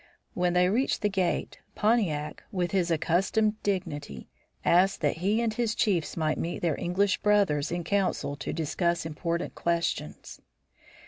When they reached the gate Pontiac, with his accustomed dignity, asked that he and his chiefs might meet their English brothers in council to discuss important questions.